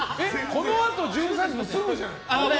このあと１３時すぐじゃん。